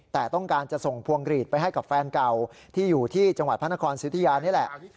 แต่ต้องการจะส่งพวงกรีดไปให้กับแฟนเก่าที่อยู่ที่จังหวัดพระนครสิทธิยานี่แหละ